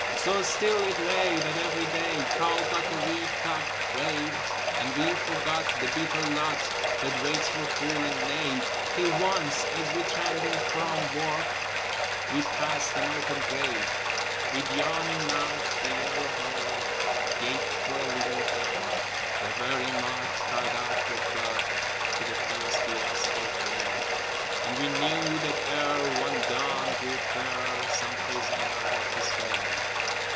So still it lay that every day Crawled like a weed clogged wave: And we forgot the bitter lot That waits for fool and knave, Till once, as we tramped in from work, We passed an open grave. With yawning mouth the yellow hole Gaped for a living thing; The very mud cried out for blood To the thirsty asphalte ring: And we knew that ere one dawn grew fair Some prisoner had to swing.